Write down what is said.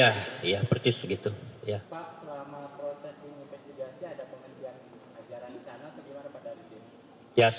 pak selama proses tim investigasi ada penghentian ajaran di sana atau gimana pada tim